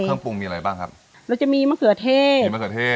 เครื่องปรุงมีอะไรบ้างครับเราจะมีมะเขือเทศมีมะเขือเท่